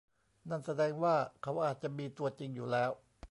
นั่นแสดงว่าเขาอาจจะมีตัวจริงอยู่แล้ว